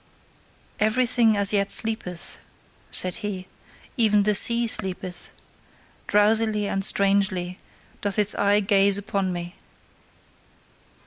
Everything as yet sleepeth, said he; even the sea sleepeth. Drowsily and strangely doth its eye gaze upon me.